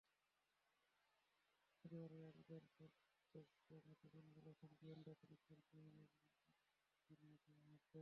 পরিবারের একজন সদস্য মুঠোফোনে বলেছেন, গোয়েন্দা পুলিশ পরিচয়ে আমানকে নিয়ে যাওয়া হয়েছে।